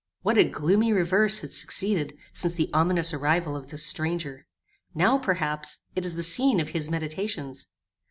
What a gloomy reverse had succeeded since the ominous arrival of this stranger! Now, perhaps, it is the scene of his meditations.